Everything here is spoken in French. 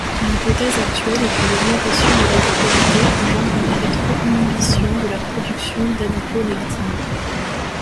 L’hypothèse actuelle est qu’une augmentation de l’adiposité engendre une rétro-inhibition de la production d’adiponectine.